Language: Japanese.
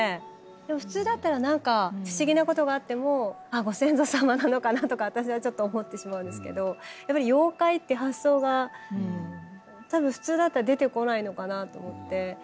でも普通だったら何か不思議なことがあってもご先祖様なのかなとか私はちょっと思ってしまうんですけどやっぱり妖怪って発想が多分普通だったら出てこないのかなと思って。